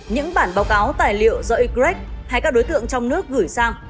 những bản báo cáo tài liệu do egrec hay các đối tượng trong nước gửi sang